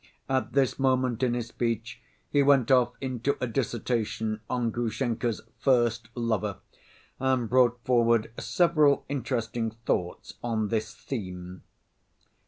At this moment in his speech he went off into a dissertation on Grushenka's "first lover," and brought forward several interesting thoughts on this theme.